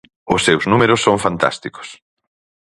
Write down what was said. Os seus números son fantásticos.